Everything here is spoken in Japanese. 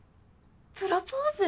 プロポーズ？